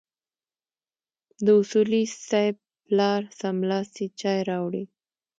د اصولي صیب پلار سملاسي چای راوړې.